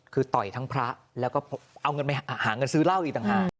คือต่อยทั้งพระแล้วก็เอาเงินไปหาเงินซื้อเหล้าอีกต่างหาก